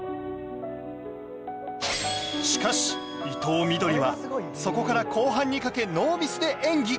しかし伊藤みどりはそこから後半にかけノーミスで演技